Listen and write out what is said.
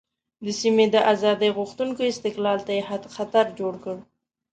د سیمې د آزادۍ غوښتونکو استقلال ته یې خطر جوړ کړ.